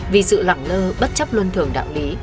vì sự lặng lơ bất chấp luân thường đạo lý